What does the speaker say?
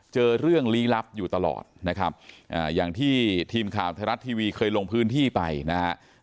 เจอเรื่องลี้ลับอยู่ตลอดนะครับอย่างที่ทีมข่าวไทยรัฐทีวีเคยลงพื้นที่ไปนะครับ